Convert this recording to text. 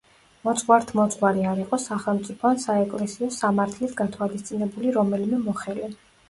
მოძღვართ-მოძღვარი არ იყო სახელმწიფო ან საეკლესიო სამართლით გათვალისწინებული რომელიმე მოხელე.